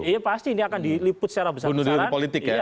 ya pasti ini akan diliput secara besar besaran